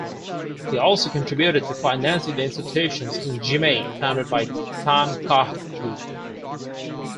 He also contributed to financing the institutions in Jimei founded by Tan Kah Kee.